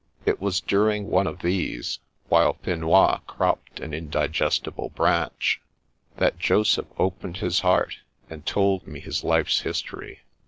It was during one of these, while Finois cropped an indigestible branch, that Joseph opened his heart, and told me his life's history.